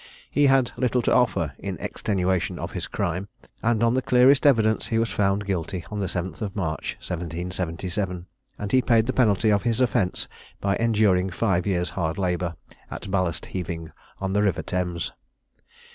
He had little to offer in extenuation of his crime, and on the clearest evidence he was found guilty on the 7th March, 1777; and he paid the penalty of his offence by enduring five years' hard labour at ballast heaving on the river Thames.